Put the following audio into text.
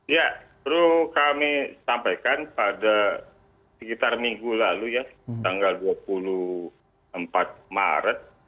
ya perlu kami sampaikan pada sekitar minggu lalu ya tanggal dua puluh empat maret